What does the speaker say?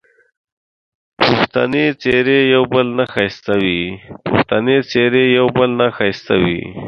پښتني څېرې یو بل نه ښایسته وې